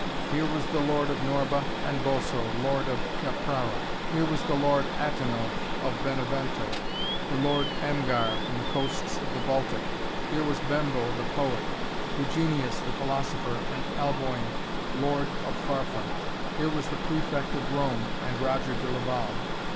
Here was the Lord of Norba and Boso, Lord of Caprara. Here was the Lord Atenulf of Benevento, the Lord Amgar, from the coasts of the Baltic; here was Bembo the poet, Eugenius the philosopher and Alboin, Lord of Farfa. Here was the Prefect of Rome and Roger de Laval.